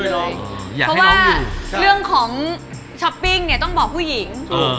เพราะว่าเรื่องของช้อปปิ้งเนี่ยต้องบอกผู้หญิง